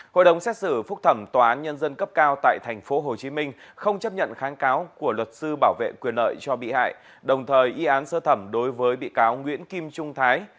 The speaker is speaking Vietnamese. hội đồng xét xử phúc thẩm tòa án nhân dân cấp cao tại tp hcm không chấp nhận kháng cáo của luật sư bảo vệ quyền lợi cho bị hại đồng thời y án sơ thẩm đối với bị cáo nguyễn kim trung thái